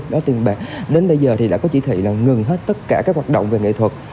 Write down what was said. đến bây giờ thì đã có chỉ thị là ngừng hết tất cả các hoạt động về nghệ thuật